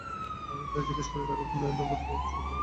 আমরা প্রায়ই জিজ্ঞেস করি, তাঁকে কেন নোবেল পুরস্কার দেওয়া হলো না।